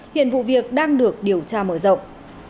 hiện vụ việc đang được điều tra mở rộng